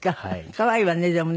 可愛いわねでもね。